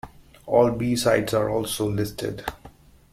All B-sides are also listed.